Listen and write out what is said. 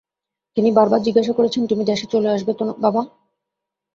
তিনি বারবার জিজ্ঞেস করেছেন, তুমি দেশে চলে আসবে তো বাবা?